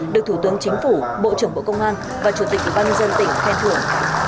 được thủ tướng chính phủ bộ trưởng bộ công an và chủ tịch ban dân tỉnh khen thưởng